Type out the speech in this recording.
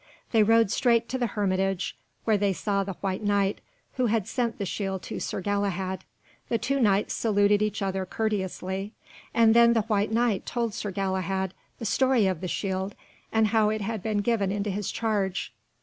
They rode straight to the hermitage, where they saw the White Knight who had sent the shield to Sir Galahad. The two Knights saluted each other courteously, and then the White Knight told Sir Galahad the story of the shield, and how it had been given into his charge.